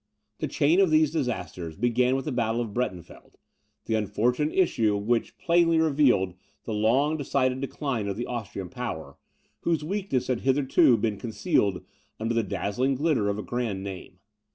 The chain of these disasters began with the battle of Breitenfeld, the unfortunate issue of which plainly revealed the long decided decline of the Austrian power, whose weakness had hitherto been concealed under the dazzling glitter of a grand name.